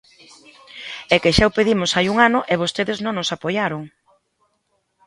¡É que xa o pedimos hai un ano e vostedes non nos apoiaron!